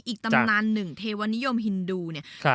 ตำนานหนึ่งเทวนิยมฮินดูเนี่ย